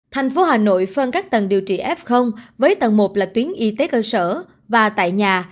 thành phố hà nội phân các tầng điều trị f với tầng một là tuyến y tế cơ sở và tại nhà